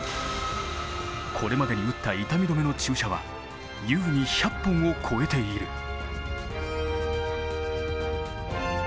これまでに打った痛み止めの注射は優に１００本を超えている。